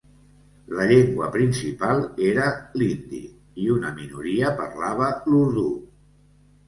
La llengua principal era l'hindi i una minoria parlava l'urdú.